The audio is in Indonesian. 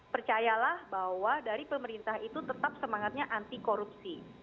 percayalah bahwa dari pemerintah itu tetap semangatnya anti korupsi